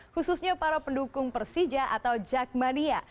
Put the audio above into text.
khususnya para pendukung persija atau jakmania